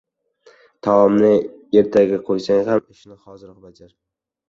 • Taomni ertaga qo‘ysang ham, ishni hoziroq bajar.